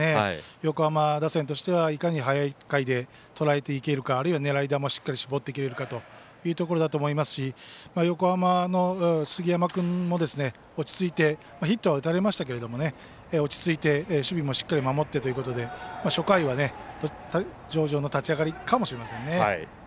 横浜打線としてはいかに早い回でとらえていけるかあるいは狙い球をしっかり絞っていけるかというところだと思いますし横浜の杉山君も落ち着いてヒットは打たれましたけども落ち着いて守備もしっかり守ってということで初回は上々の立ち上がりかもしれませんね。